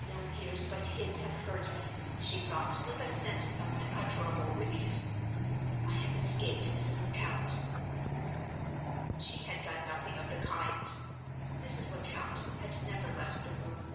"No ears but his have heard me," she thought, with a sense of unutterable relief. "I have escaped Mrs. Lecount." She had done nothing of the kind. Mrs. Lecount had never left the room.